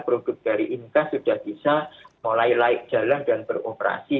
produk dari inka sudah bisa mulai laik jalan dan beroperasi